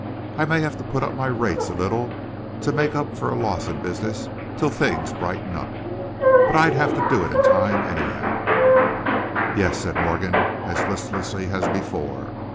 I may have to put up my rates a little to make up for loss in business till things brighten up, but I'd have to do it in time, anyhow." "Yes," said Morgan, as listlessly as before.